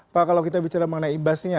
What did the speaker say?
pak kalau kita bicara mengenai imbasnya